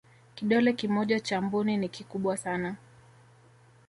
kidole kimoja cha mbuni ni kikubwa sana